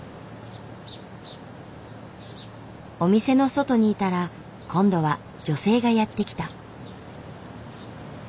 お店の外にいたら今度は女性がやって来た。